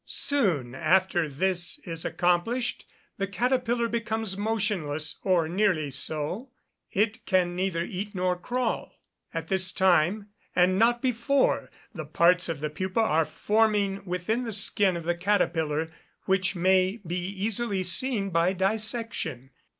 Soon after this is accomplished, the caterpillar becomes motionless, or nearly so; it can neither eat nor crawl. At this time, and not before, the parts of the pupa are forming within the skin of the caterpillar, which may be easily seen by dissection."